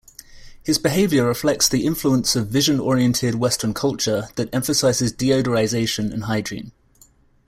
His behavior reflects the influence of vision-oriented Western culture that emphasizes deodorization and hygiene.